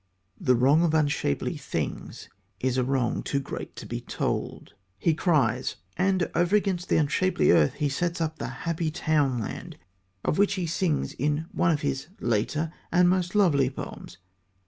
The wrong of unshapely things is a wrong too great to be told, he cries, and over against the unshapely earth he sets up the "happy townland" of which he sings in one of his later and most lovely poems.